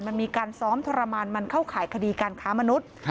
มันมีการซ้อมโทรมารข่าวขายคดีการขาวมนุษย์